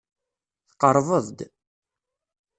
Tqerrbeḍ-d.